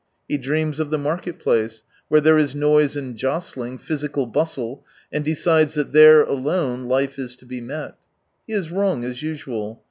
He dreams of the market place, where there is noise and jostling, physical bustle, and decides that there alone life is to be met. He is wrong as usual.